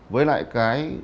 với lại cái